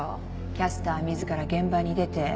キャスター自ら現場に出て。